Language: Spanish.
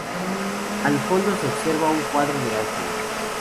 Al fondo se observa un cuadro de ángeles.